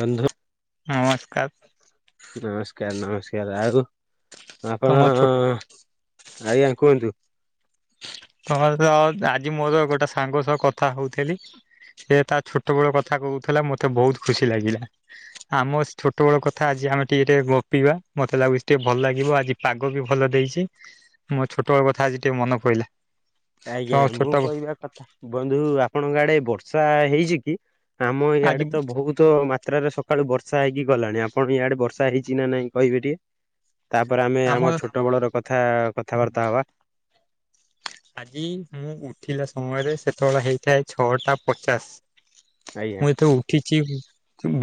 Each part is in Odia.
ବନ୍ଧୁ ନମସ୍କାର ନମସ୍କାର ନମସ୍କାର ଆଉ ଆପଣ ତମ ଛୋଟ ଆଜ୍ଞା କୁହନ୍ତୁ ତମର ଆଜି ମୋର ଗୋଟେ ସାଙ୍ଗସହ କଥା ହଉଥିଲି ସେ ତା ଛୋଟ ବେଳ କଥା କହୁଥିଲା ମତେ ବହୁତ ଖୁସି ଲାଗିଲା ଆମ ଛୋଟ ବେଳ କଥା ଆଜି ଯାହା ଆମେ ଟିକେ ଟେ ଗପିବା ମତେ ଲାଗୁଛି ଟିକେ ଭଲ ଲାଗିବ ଆଜି ପାଗବି ଭଲ ଦେଇଛି ମୋ ଛୋଟ ତୋ କଥା ଆଜି ଟିକେ ମନ ପଇଲା ଆଜ୍ଞା ତ ମୁଁ ଛୋଟ କହିବାକଥା ବନ୍ଧୁ ଆପଣଙ୍କ ଆଡେ ବର୍ଷା ହେଇଛି କି ଆମ ଇଆଡେ ଆଜି ତ ବହୁତ ମାତ୍ରାରେ ସକାଳୁ ବର୍ଷା ବର୍ଷା ହେଇକି ଗଲାଣି ଆପଣ ଇଆଡେ ବର୍ଷା ହେଇଛି ନା ନାଇଁ କହିବେ ଟି ତାପରେ ଆମେ ଆମ ଛୋଟ ବୋଳର କଥା କଥାବାର୍ତ୍ତା ହବା ହିଁ ମୁଁ ଉଠିଲା ସମୟରେ ସେତେବେଳେ ହେଇଥାଏ ଛଅଟା ପଚାଶ ଆଜ୍ଞା ମୁଁ ଯେତେ ଉଠିଛି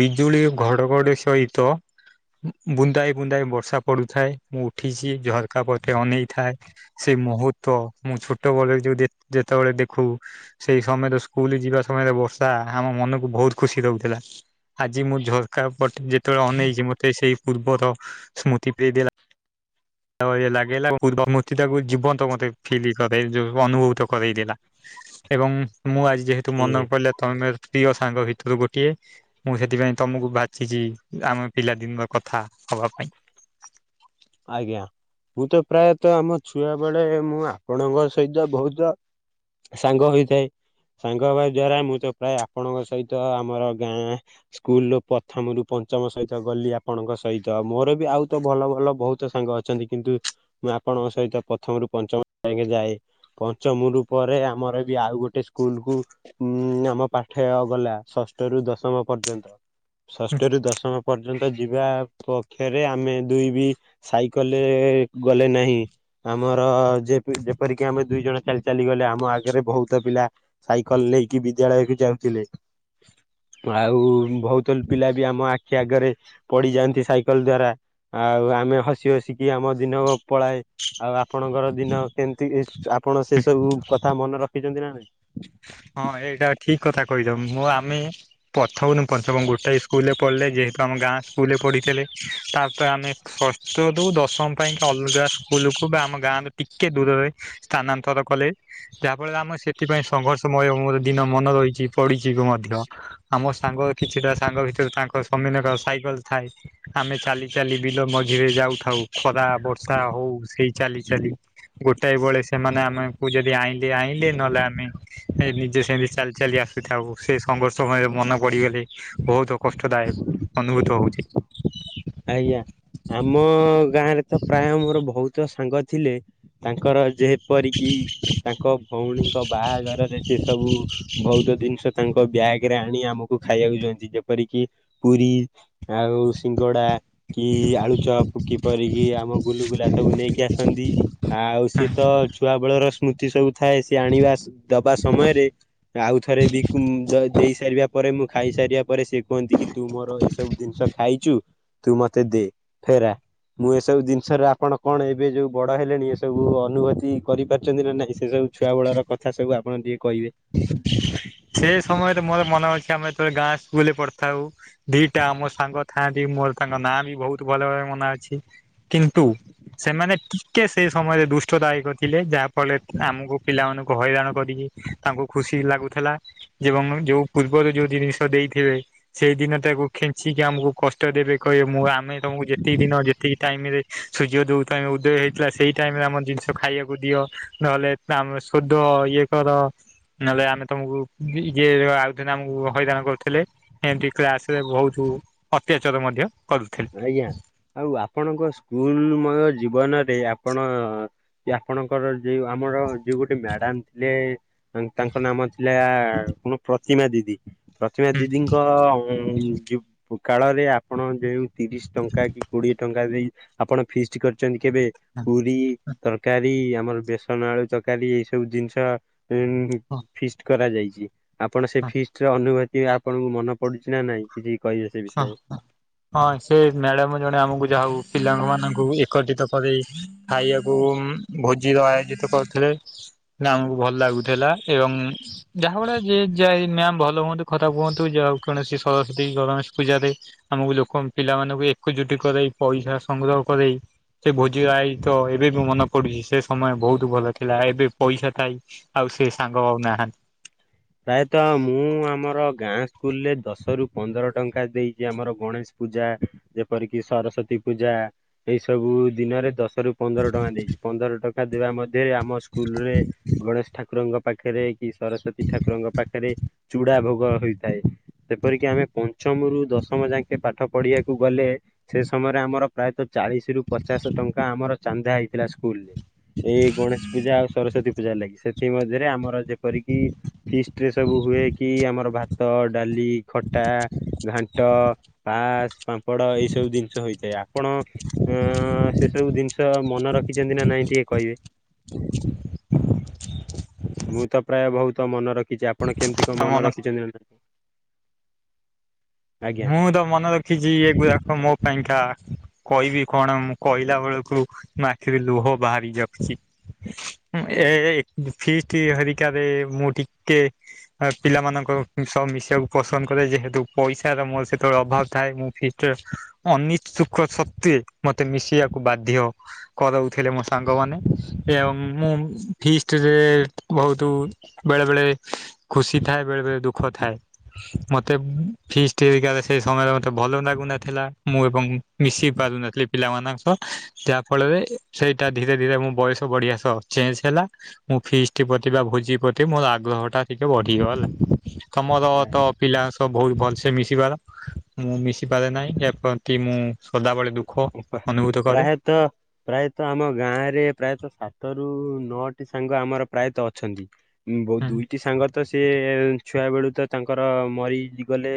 ବିଜୁଳି ଘଡଘଡି ସହିତ ବୁନ୍ଦାଏ ବୁନ୍ଦାଏ ବର୍ଷା ପଡୁଥାଏ ମୁଁ ଉଠିଛି ଝର କାପଟେ ଅନେଇଥାଏ ସେ ମୁହୂର୍ତ୍ତ ମୁଁ ଛୋଟ ବୋଳେ ଯୋଉ ଯେତେବେଳେ ଦେଖୁ ସେଇ ସମୟରେ ସ୍କୁଲ ଯିବା ସମୟରେ ବର୍ଷା ଆମ ମନକୁ ବହୁତ ଖୁସି ଦଉଥିଲା ଆଜି ମୁଁ ଝରକା ପଟେ ଯେତେବେଳେ ଅନେଇଛି ମତେ ସେଇ ପୂର୍ବର ସ୍ମୃତି ପିଏଇଦେଲା ଆଉ ଏଲାଗିଲା ପୂର୍ଵ ସ୍ମୂର୍ତ୍ତି ତାକୁ ଜୀବନ୍ତ ମତେ ଫିଲ କରେ ଯୋଉ ଅନୁଭୂତ କରରେଇ ଦେଲା ଏବଂ ମୁଁ ଆଜି ଯେହେତୁ ହୁଁ ମନର ପଇଲା ତମେ ପ୍ରିୟ ସାଙ୍ଗ ଭିତରୁ ଗୋଟିଏ ମୁଁ ସେଥିପାଇଁ ତମକୁ ବାଛିଚି ଆମ ପିଲାଦିନର କଥା। ହବା ପାଇଁ ଆଜ୍ଞା। ମୁଁ ତ ପ୍ରାୟତଃ ଆମ ଛୁଆ ବେଳେ ମୁଁ ଆପଣଙ୍କ ସହିତ ବହୁତ ସାଙ୍ଗ ହୋଇଥାଏ। ସାଙ୍ଗ ହେବା ଦ୍ଵାରା ମୁଁ ତ ପ୍ରାୟ ଆପଣଙ୍କ ସହିତ ଆମର ଗାଁ ସ୍କୁଲ ପ୍ରଥମ ରୁ ପ ପଞ୍ଚମ ସହିତ ଗଲି ଆପଣଙ୍କ ସହିତ ମୋରବି ଆଉ ତ ଭଲ ଭଲ ବହୁତ ସାଙ୍ଗ ଅଛନ୍ତି କିନ୍ତୁ ମୁଁ ଆପଣଙ୍କ ସହିତ ପ୍ରଥମରୁ ପଞ୍ଚମ ସାଙ୍ଗେ ଯାଏ ପଞ୍ଚମରୁ ପରେ ଆମର ବି ଆଉଗୋଟେ ସ୍କୁଲ କୁ ଉଁ -ଉଁ ଆମ ପାଠ ଗଲା ଷଷ୍ଠ ରୁ ଦଶମ ପ ଷଷ୍ଠ ର ଦଶମ ପର୍ଯ୍ୟନ୍ତ ଯିବା ପକ୍ଷରେ ଆମେ ଦୁଇ ବି ସାଇକେଲରେ ଗଲେ ନାହିଁ ଆମର ଯେ ଯେପରିକି ଆମେ ଦୁଇ ଜଣ ଚାଲି ଚାଲିଗଲେ। ଆମ ଆଗରେ ବହୁତ ପିଲା ସାଇକେଲ ନେଇକି ବିୁଦ୍ୟାଳୟକୁ ଯାଉଥିଲେ। ଆଉ ବହୁତ ପିଲାବି ଆମ ଆଖି ଆଗରେ ପଡିଯାଆନ୍ତି ସାଇକେଲ ଦ୍ଵାରା ଆଉ ଆମେ ହସି ହସିକି ଆମ ଦିନ ପଳାଏ। ଆଉ ଆପଣଙ୍କର ଦିନ କେମିତିକି ଆପଣ ସେ ସବୁ କଥା ମନେ ରଖିଛନ୍ତି ନା ନାଇଁ? ହଁ ଏଇଟା ଠିକ କଥା କହିଛ ମୁଁ ଆମେ ପଥମରୁ ପଞ୍ଚମ ଗୋଟାଏ ସ୍କୁଲରେ ପଢିଲେ ଯେହେତୁ ଆମ ଗାଁ ସ୍କୁଲରେ ପଢିଥିଲେ ତାପରେ ଆମେ ଷଷ୍ଠରୁୁ ଦଶମ ପାଇଁ ଅଲଗା ସ୍କୁଲକୁୁ ବା ଆମ ଗାଁର ଟିକେ ଦୂରରେ ସ୍ଥାନାନ୍ତର କଲେ ଯାହାଫଳରେ ଆମେ ସେଥିପାଇଁ ସଂଘର୍ଷ ସମୟ ମୋର ଦିନ ମନ ରହିଛି ପଡିଛି ମଧ୍ୟ ଆମ ସାଙ୍ଗ କିଛିଟା ସାଙ୍ଗ ଭିତରେ ତାଙ୍କସମ ମାନଙ୍କ ସାଇକଲ ଥାଏ ଆମେ ଚାଲି ଚାଲି ବିଲୋ ମଝିରେ ଯାଉଥାଉ। ଖରା ବର୍ଷା ହଉ ସେଇ ଚାଲି ଚାଲି ଗୋଟାଏ ବୋଳେ ସେମାନେ ଆମକୁ ଯଦି ଆଣି ସେ ଆଣିଲି ନହେଲେ ଆମେ ଏ ନିଜେ ସେମିତି ଚାଲି ଚାଲି ଆସୁଥାଉ ସେ ସଂଘର୍ଷ ସମୟ ମନପଡିଗଲେ ବହୁତ କଷ୍ଟଦାୟକ ଅନୁଭୂତ ହଉଛି। ଆଜ୍ଞା। ଆମ ଗାଁରେ ତ ପ୍ରାୟ ମୋର ବହୁତ ସାଙ୍ଗଥିଲେ ତାଙ୍କର ଯେଏ ପରିକି ତାଙ୍କ ଭଉଣୀଙ୍କ ବାହାଘରରେ ସେସବୁ ବହୁତ ଜିନିଷ ତାଙ୍କ ବ୍ୟାଗରେ ଆଣି ଆମକୁ ଖାଇବାକୁ ଦିଅନ୍ତି ଯେପରିକି ପୁରୀ ଆଉ ଗୋଡା କି ଆଳୁଚପ କିପରିକିି ଆମ ଗୁଲୁଗୁଲାସବୁ ନେଇକି ଆସନ୍ତି ଆଉ ସିଏତ ଛୁଆ ବେଳର ସ୍ମୃତି ସବୁ ଥାଏ ସେ ଆଣିବା ଦବା ସମୟରେ ଆଉଥରେ ବିକୁ ଦେଇ ସାରିବା ପରେ ମୁଁ ଖାଇସାରିବା ପରେ ସେ କୁହନ୍ତି କି ତୁମୋର ଏସବୁ ଜିନିଷ ଖାଇଛୁ। ତୁ ମତେ ଦେ ଫେର ଆ ମୁଁ ଏସବୁ ଜିନିଷରେ ଆପଣ କଣ ଏବେ ଯୋଉ ବଡ ହେଲେଣି ଏସବୁ ଅନୁଭୂତି କରିପାରୁଛନ୍ତି ନା ନାଇଁ? ସେ ସବୁ ଛୁଆ ବେଳର କଥା ସବୁ ଆପଣ ଟିକେ କହିବେ। ସେ ସମୟରେ ମୋର ମନେ ଅଛି ଆମେବେ ଗାଁ ସ୍କୁଲ ପଢିଥାଉ ଦିଟା ଆମ ସାଙ୍ଗ? ଥାନ୍ତି ମୋର ତାଙ୍କ ନାଁ ବି ବହୁତ ଭଲ ଭରେ ମନେ ଅଛି କିନ୍ତୁ? ସେମାନେ ଟିକେ ସେଇ ସମୟରେ ଦୁଷ୍ଟଦାୟକ ଥିଲେ ଯାହା ଫଳ ଆମକୁ ପିଲାମାନଙ୍କୁ ହଇରାଣ କରିକି ତାଙ୍କୁ ଖୁସି ଲାଗୁଥିଲା। ଏବଂ ଯୋଉ ପୂର୍ବରୁ ଯୋଉ ଜିନିଷ ଦେଇଥିବେ ସେଇ ଦିନ ତାକୁ ଖେଞ୍ଚିକି ଆମକୁ କଷ୍ଟ ଦେ ବେ କହିବ ମୁଁ ଆମେ ତମକୁ ଯେତିକି ଦିନ ଯେତିକି ଟାଇମ ରେ ସୂର୍ଯ୍ୟ ଦଉମ ଉଦୟ ହେଇଥିଲା ସେଇ ଟାଇମରେ ଆମର ଜିନିଷ ଖାଇବାକୁ ଦିଅ ନହେଲେ ଆମର ସଦ ହ ଇଏ କର ନହେଲେ ଆମେ ତମକୁ ଏ ଆଉିନ ଆମକୁ ହଇରାଣ କରୁଥିଲେ ଏମିତି କ୍ଲାସରେ ବହୁତ ଅତ୍ୟାଚାର ମଧ୍ୟ କରୁଥିଲେ। ଆଜ୍ଞା, ଆଉ ଆପଣଙ୍କ ସ୍କୁଲ ମୟ ଜୀବନରେ ଆପଣ ଆପଣଙ୍କର ଯଉ ଆମର ଯୋଉ ଗୋଟେ ମ୍ୟାଡାମ ଥିଲେ ତାଙ୍କ ନାମ ଥିଲା ପ୍ର ପ୍ରତିମା ଦିଦି ପ୍ରତିମା ହୁଁ ଦିଦିଙ୍କ କାଳରେ ଆପଣ ଯେଉଁ ତିରିଶ ଟଙ୍କା କି କୋଡିଏ ଟଙ୍କା ଦେଇ ଆପଣ ଫିଷ୍ଟୀ କରିଛନ୍ତି କେବେ ପୁରୀ ତରକାରୀ? ଇ ଆମର ବେସନ ଆଳୁ ତକାରୀ ଏଇ ସବୁ ଜିନିଷ ଫିଷ୍ଟି କରାଯାଇଛି। ଆପଣ ସେ ଫିଷ୍ଟି ର ଅନୁଭୂତି ଆପଣଙ୍କୁ ମନେ ପଡୁଛି ନା ନାଇଁ କିଛି? କହି ଆ ସେ ହଁ ବିଷୟ। ହଁ ସେ ମ୍ୟାଡ଼ାମ ଜଣେ ଆମକୁ ଯାହଉ ପିଲାଙ୍କମାନଙ୍କୁ ଏକତ୍ରିତ କରେଇ ଖାଇବାକୁ ଭୋଜିର ଆୟୋଜିତ କରୁଥିଲେ। ଆମକୁ ଭଲ ଲାଗୁଥିଲା ଏବଂ ଯାହା ଭଳି ଯେ ଯ ମ୍ୟା ଭଲ ହୁଅନ୍ତୁ। କଥା କୁହନ୍ତୁ ଯାହାଉ କୌଣ ସରସ୍ୱତୀ ଗଣ ପୂଜାରେ ଆମକୁ ଲୋକ ପିଲାମାନାନଙ୍କୁ ଏକଜୁଟି କରରୋଇ ପଇସା ସଂଗ୍ରହ କରରେଇ ସେ ଭୋଜିାଇ ତ ଏବେ ବି ମନେ ପଡୁଛି ସେ ସମୟ ବହୁତ ଭଲ ଥିଲା ଏବେ ପଇସା ଥାଇ ଆଉ ସେ ସାଙ୍ଗ ଆଉ ନାହାନ୍ତି। ପ୍ରାୟତଃ ମୁଁ ଆମର ଗାଁ ସ୍କୁଲରେ ଦଶ ରୁ ପନ୍ଦର ଟଙ୍କା ଦେଇକି ଆମର ଗଣେଶ ପୂଜା ଯେପରିକି ସରସ୍ଵତୀ ପୂଜା ଏଇ ସବୁ ଦିନରେ ଦଶ ପନ୍ଦର ଟଙ୍କା ଦେଇଛି ପନ୍ଦର ଟଙ୍କା। ଶା ଦେବା ମଧ୍ୟରେ ଆମ ସ୍କୁଲ ରେ ଗଣେଶ ଠାକୁରଙ୍କ ପାଖରେ କି ସରସ୍ଵତୀ? ଠାକୁରଙ୍କ ପାଖରେ ଚୁଡା ଭୋଗ ହେଇଥାଏ, ସେପରିକି ଆମେ ପଞ୍ଚମରୁୁ ଦଶମ ଯାକେଁ ପାଠ ପଢିବାକୁ ଗଲେ ସେ ସମୟରେ ଆମର ପ୍ରାୟତଃ ଚାଳିଶ ରୁ ପଚାଶ ଟଙ୍କା ଆମର ଚାନ୍ଦା ହେଇଥାଏ। ଲା ସ୍କୁଲ ରୁ ଏଇ ଗଣେଶ ପୂଜା ଆଉ ସରସ୍ଵତୀ ପୂଜା ଲାଗି ସେଥିମରେ ଆମର ଯେପରିକି ଫିଷ୍ଟ ରେ ସବୁ ହୁଏ କି ଆମର ଭାତ, ଡାଲି, ଖଟା, ଘାଣ୍ଟ ପାସ୍, ପାମ୍ପଡ ଏଇ ସବୁ ଜିନିଷ ହୋଇଥାଏ, ଆପଣ ସେସବୁ ଜିନିଷ ମନ ରଖ ଯେ ଦ ନା ନାଇଁ ଟିକେ କହିବେ? [inaudible] ମୁଁ ତ ପ୍ରାୟ ବହୁତ ତ ମନେ ରଖିଛି ଆପଣ କେମିତି ତ କଣ ମନ ମନେ ରଖିଛନ୍ତି ନା? ଆଜ୍ଞା। ମୁଁ ତ ମନେ ରଖିଛି କୁ ଦେଖ ମୋ ପାଇଁକା କହିବି କଣ ମୁଁ କହିଲା ବେଳକୁ ଆଖିରୁ ଲୁହ ବାହାରି ଯାଉଛି। ଏ ଫିଷ୍ଟି ହରିକାରେ ମୁଁ ଟିକେ ପିଲାମାନଙ୍କ ସବୁ ମିଶିବାକୁ ପସନ୍ଦ କରେ ଯେହେତୁ ପଇସାର ର ମୋର ସେତେବେଳେ ଅଭାବ ଥାଏ ମୁଁ ଫଷ୍ଟି ଅନିଛୁକ ସତ୍ୱେ ମତେ ମିଶିବାକୁ ବାଧ୍ୟ କରାଉଥିଲେ ମୋ ସାଙ୍ଗମାନେ ଏବଂ ମୁଁ ଫଷ୍ଟି ରେ ବହୁତ ବେଳେବେଳେ ଖୁସି ଥାଏ ବେଳେବେଳେ ଦୁଃଖ ଥାଏ ।ମୋତେ ଫିଷ୍ଟି ସେ ସମୟରେ ମତେ ଭଲ ଲାଗୁନଥିଲା ମୁଁ ଏବଂ ମିଶି ପାରୁନଥିଲି ପିଲାମାନଙ୍କ ସହ। ଯାହା ଫଳରେ ସେଇଟା ଧୀରେ ଧୀରେ ମୋ ବୟସ ବଢିଆ ସହ ଚେଞ୍ଜ ହେଲା ମୁଁ ଫିଷ୍ଟି ପ ଭୋଜି ପ୍ରତି ମୋର ଆଗ୍ରହ ଟା ଟିକେ ବଢିଗଲା ତମର ତ ପିଲାଙ୍କ ସହ ବହୁତ ଭଲ। ସେ ମିଶିବାର ମୁଁ ମିଶିପାରେ ନାହିଁ ଏ ପ୍ରତି ମୁଁ ସଦାବେଳେ ଦୁଃଖ ପ୍ରା- ଅନୁଭୂତ କରେ ପ୍ରାୟତଃ ପ୍ରାୟତଃ ଆମ ଗାଁରେ ପ୍ରାୟତଃ ସାତ ରୁ ନଅଟି ସାଙ୍ଗ ଆମର ପ୍ରାୟତଃ ଅଛନ୍ତି ବହୁ ଦୁଇଟି ସାଙ୍ଗ ତ ସେ ଛୁଆ ବେଳୁ ତ ତାଙ୍କର ମରି ଗଲେ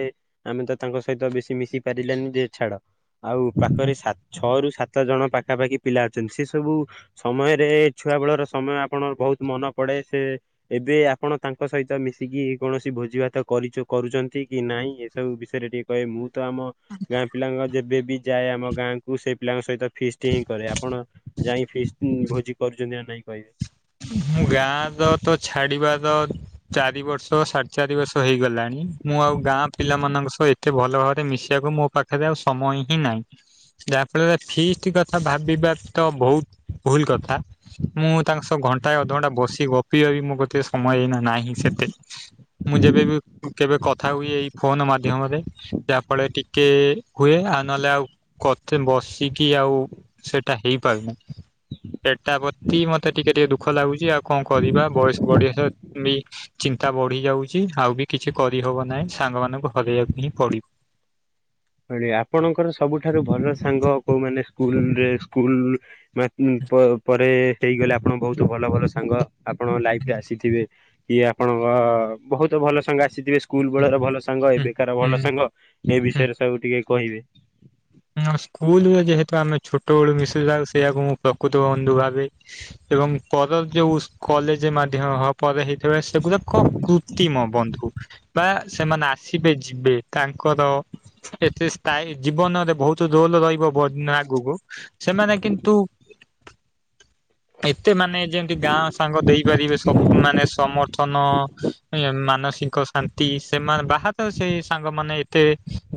ଆମେ ତ ତାଙ୍କ ସହିତ ବେଶି ମିଶି ପାରିଲାନି ଯେ ଛାଡ ଆଉ ହୁଁ। ପାଖରେ ସାତ ଛଅ ରୁ ସାତ ଜଣ ପାଖାପାଖି ପିଲା ଅଛନ୍ତି ସେସବୁ ସମୟରେ ଛୁଆବେଳର ସମୟ ଆପଣ ବହୁତ ମନ ପଡେ ସେ ଏବେ ଆପଣ ତାଙ୍କ ସହିତ ମିଶିକି କୌଣସି ଭୋଜି ଭାତ କରି କରୁଛନ୍ତି କି ନା ନାଇଁ ଏସବୁ ବିଷୟରେ ଟିକେ କହେ ମୁଁ ତ ଆମ ଗାଁ ପିଲାଙ୍କ ଯେବେ ବି ଯାଏ ଆମ ଗାଁକୁ ସେ ପିଲାଙ୍କ ସହିତ ଫିଷ୍ଟ ହିଁ କରେ ଆପଣ ଯାଇ ଫିଷ୍ଟ ଭୋଜି କରୁଛନ୍ତି ନା ନାଇଁ କହିବେ? ମୁଁ ଗାଁର ତ ଛାଡିବାର ଚାରି ବର୍ଷ ସାଢେ ଚାରି ବର୍ଷ ହେଇଗଲାଣି ମୁଁ ଆଉ ଗାଁ ପିଲାମାନଙ୍କ ସହ ଏତେ ଭଲ ଭାବରେ ମିଶିବାକୁ ମୋ ପାଖରେ ଆଉ ସମୟ ହିଁ ନାହିଁ ଯାହା ଫଳରେ ଫିସ୍ଟି କଥା ଭାବିବା ତ ବହୁତ ଭୁଲ କଥା ମୁଁ ତାଙ୍କ ସହ ଘଣ୍ଟାଏ ଅଧଘଣ୍ଟା ବସି ଗପି ଵା ବି ମୋ କତିରେ ସମୟ ହେଇନାହିଁ। ନାହିଁ ସେତେ ମୁଁ ଯେବେ ବି କେବେ କଥା ହୁଏ ଏଇ ଫୋନ ମାଧ୍ୟମରେ। ଯାହାଫଳରେ ଟିକେ ହୁଏ ଆଉ ନହେଲେ ଆଉ ବସିକି ଆଉ। ସେଇଟା ହେଇପାରୁନି ସେଟା ପ୍ରତି ମତେ ଟିକେ ଟିକେ ଦୁଃଖ ଲାଗୁଛି ଆଉ କଣ କରିବା ବୟସ ବଡିବା ବି ଚିନ୍ତା ବଢି ଯାଉଛି ଆଉ ବି କିଛି କରିହବ ନାହିଁ ସାଙ୍ଗମାନାନଙ୍କୁ ହରାଇବାକୁ ହିଁ ପଡିବ। ଆଜ୍ଞା ଆପଣଙ୍କର ସବୁଠାରୁ ଭଲ ସାଙ୍ଗ କୋଉମାନୋନ ସ୍କୁଲରେ ସ୍କୁଲ ମନେ ପ ପରେ ହେଇଗଲେ ଆପଣ ବହୁତ ଭଲ ଭଲ ସାଙ୍ଗ ଆପଣର ଲାଇଫରେ ଆସିଥିବେ କିଏ ଆପଣଙ୍କ ବହୁତ। ଭଲ ସାଙ୍ଗ ଆସିଥିବେ ସ୍କୁଲ ବେଡର ଭଲ ସାଙ୍ଗ ହୁଁ ଏବେକାର ହୁଁ ଭଲ ସାଙ୍ଗ ଏ ହୁଁ। ବିଷୟରେ ସବୁ ଟିକେ କହିବେ [unintelligible] [inaudible] ତୋଳୁ ମିଶି ଯାଉ। ଏହାଇକୁ ମୁଁ ପ୍ରକୃତ ବନ୍ଧୁ ଭାବେ ଏବଂ ପର ଯେଉ କଲେଜ ମାଧ୍ୟମ ହବା ପରେ। ହେ ସେଗୁରାକ କ କୃତ୍ରିମ ବନ୍ଧୁ। ବା ସେମାନେ ଆସିବେ, ଯିବେ, ତାଙ୍କର ଏତେ ସ୍ଥାୟୀ ଜୀବନରେ ବହୁତ ରୋଲ ରହିବ ବ ଦିନ ଆଗକୁ, ସେମାନେ କିନ୍ତୁ ଏତେ ମାନେ ଯେମିତି ଗାଁ ସାଙ୍ଗ ଦେଇପାରିବେ ସ ମାନେ ସମର୍ଥନ ମାନସ ମାନଷିକ ଶାନ୍ତି ସେମାନେ ବାହାରେ ସେ ସାଙ୍ଗମାନେ ଏତେ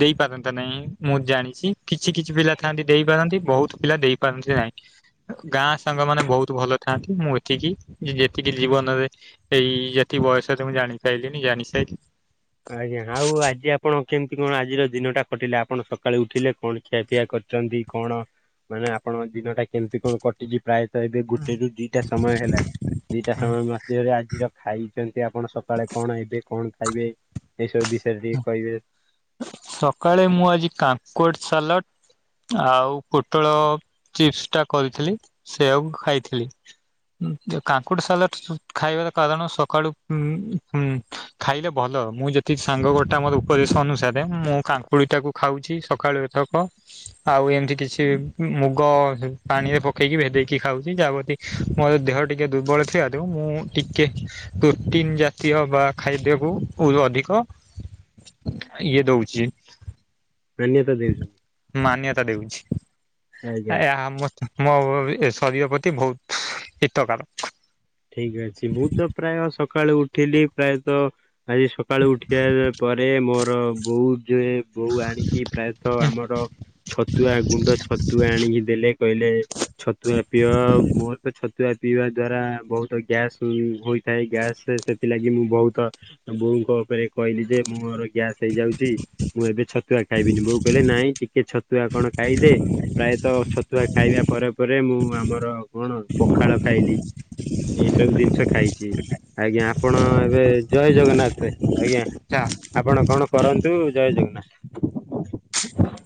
ଦେଇପାରନ୍ତି ନାହିଁ ମୁଁ ଜାଣିଛି। କିଛି କିଛି ପିଲା ଥାନ୍ତି ଦେଇପାରନ୍ତି, ବହୁତ ପିଲା ଦେଇପାରନ୍ତି ନାହିଁ। ଗାଁ ସାଙ୍ଗ ମାନେ ବହୁତ ଭଲ ଥାଆନ୍ତି, ମୁଁ ଏତିକି ଯେତିକି ଜୀବନରେ ଏଇ ଯେତି କି ବୟସ ତ ମୁଁ ଜାଣି ସାରିଲିଣି ଜାଣି ସାରିଲିଣି। ଆଜ୍ଞା, ଆଉ ଆଜି ଆପଣ କେମିତି କଣ ଆଜିର ଦିନ ଟା କଟିଲେ ଆପଣ ସକାଳେୁ ଉଠିଲେ କଣ ଖିଆ ପିଆ କରି କରିଛନ୍ତି କଣ ମାନେ ଆପଣ ଦିନଟା କେମିତି କଣ କଟିଯି ପ୍ରାୟତଃ ଏବେ ଗୋଟେ ରୁ ଦିଟା ସମୟ ହେଲାଣି ଦିଟା ସମୟ ମଧ୍ୟରେ ଆଜି ଖିର ଖାଇଛନ୍ତି ଆପଣ ସକାଳେ କଣ ଏବେ କଣ ଖାଇବେ? ଏଇ ସବୁ ବିଷୟରେ ଟିକେ କହିବେ। ସକାଳେ ମୁଁ ଆଜି କାକୁଡି ସାଲଟ ଆଉ ପୋଟଳ ଚିପ୍ସ ଟା କରିଥିଲି, ସେଆକୁ ଖାଇଥିଲି। କାକୁଡି ସାଲାଡ ଖାଇବାର କାରଣ, ସକାଳୁ ଖାଇଲେ ଭଲ। ଭଲ ମୁଁ ଯେତିକି ସାଙ୍ଗ ଗୋଟା ମୋର ଉପଦେଶ ଅନୁ ରେ ମୁଁ କାକୁଡି ଟାକୁ ଖାଉଛି ସକାଳୁ ଏଥକ ଆଉ ଏମିତି କିଛି ମୁଗ ହ ପାଣିରେ ପକେଇକି ଭେଦେଇକି ଖାଉଛି, ଯାହା ପ୍ରତି ମୋ ଦେହ ଟିକେ ଦୁର୍ବଳ ଥିଲାରୁ ମୁଁ ଟିକେ ପ୍ରୋଟିନ୍ ଜାତୀୟ ବା ଖାଦ୍ୟକୁ ଅଧିକ ଇଏ ଦଉଛି। ମାନ୍ୟତା ଦେଉଛନ୍ତି। ମାନ୍ୟତା ଦେଉଛି ଆଜ୍ଞା। ଆ ମୋ ମୋ ଏ ଶରୀର ପ୍ରତି ବହୁତ ହିତକାର। ଠିକ ଅଛି, ମୁଁ ତ ପ୍ରାୟ ସକାଳୁ ଉଠିଲି ପ୍ରାୟତଃ ଆଜି ସକାଳୁ ଉଠିବା ପରେ ମୋର ବହୁତ ଯେ ବୋଉ ଆଣିକି ପ୍ରାୟତଃ ଆମର ଛତୁଆ ଗୁଣ୍ଡ, ଛତୁଆ ଆଣିକି ଦେଲେ କହିଲେ ଛତୁଆ ପିଅ ମୋର ତ ଛତୁଆ ପିଇବା ଦ୍ଵାରା ବହୁତ ଗ୍ୟାସ୍ ହୋଇଥାଏ, ଗ୍ୟାସ ସେଥିଲାଗି ମୁଁ ବହୁତ ବୋଉଙ୍କ ଉପରେ କହିଲି ଯେ ମୋର ଗ୍ୟାସ୍ ହେଇଯାଉଛି, ମୁଁ ଏବେ ଛତୁଆ ଖାଇବିନି ବୋଉ କହିଲେ ନାଇଁ ଟିକେ ଛତୁଆ କଣ ଖାଇଦେ? ପ୍ରାୟତଃ ଛତୁଆ ଖାଇବା ପରେ ପରେ ମୁଁ ଆମର କଣ ପଖାଳ ଖାଇଲି। ଏଇ ସବୁ ଜିନିଷ ଖାଇଛି, ଆଜ୍ଞା, ଆପଣ ଏବେ ଜୟ ଜଗନ୍ନାଥ। ଆଜ୍ଞା ଆପଣ କଣ କରନ୍ତୁ? ଜୟ ଜଗନ୍ନାଥ।